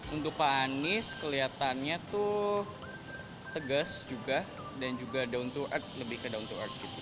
untuk pak anies kelihatannya tuh tegas juga dan juga down to earth lebih ke down to earth gitu